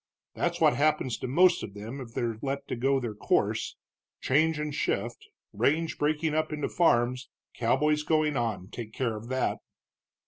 That's what happens to most of them if they're let go their course change and shift, range breaking up into farms, cowboys going on, take care of that."